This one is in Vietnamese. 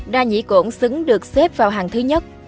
đa nhĩ cổn xứng được xếp vào hàng thứ nhất